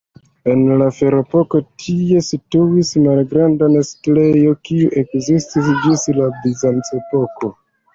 En la Ferepoko tie situis malgranda setlejo, kiu ekzistis ĝis la bizanca epoko.